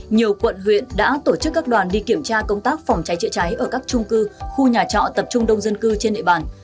nhiều quận huyện đã tổ chức các đoàn đi kiểm tra công tác phòng cháy chữa cháy ở các trung cư khu nhà trọ tập trung đông dân cư trên địa bàn